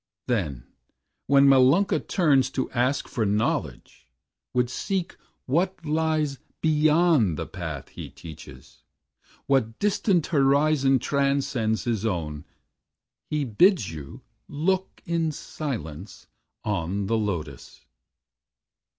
Then, when Malunka turns to ask for knowledge, Would seek what lies beyond the Path he teaches, What distant horizon transcends his own, He bids you look in silence on the Lotus.